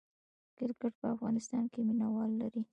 کرکټ په افغانستان کې مینه وال لري